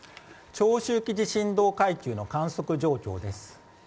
長周期地震動階級の観測状況です。